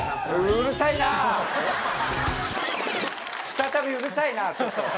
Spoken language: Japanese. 再びうるさいなちょっと。